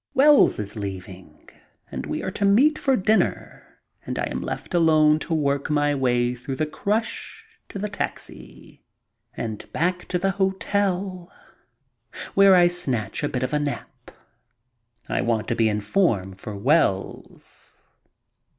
Wells is leaving and we are to meet for dinner, and I am left alone to work my way through the crush to the taxi and back to the hotel, where I snatch a bit of a nap. I want to be in form for Wells.